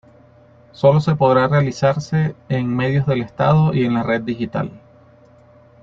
Solo se podrá realizarse en medios del Estado y en la red digital.